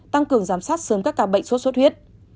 tăng cường giám sát sớm các ca bệnh sốt xuất huyết